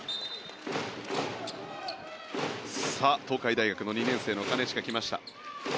東海大学の２年生の金近来ました。